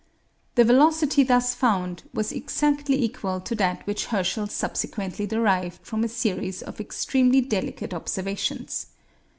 The velocity thus found was exactly equal to that which Herschel subsequently derived from a series of extremely delicate observations.